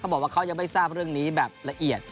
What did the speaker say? บอกว่าเขายังไม่ทราบเรื่องนี้แบบละเอียด